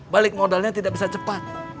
balik modalnya tidak bisa cepat